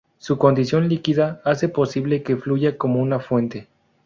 Su condición líquida hace posible que fluya como una fuente.